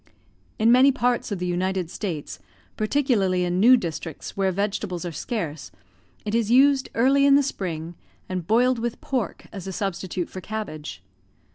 In many parts of the United States, particularly in new districts where vegetables are scarce, it is used early in the spring, and boiled with pork as a substitute for cabbage.